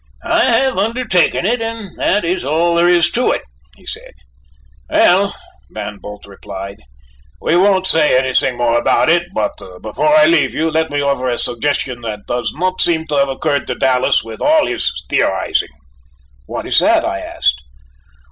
"I have undertaken it, and that is all there is to it," he said. "Well," Van Bult replied, "we won't say anything more about it, but before I leave you, let me offer a suggestion that does not seem to have occurred to Dallas with all his theorizing." "What is that?" I asked.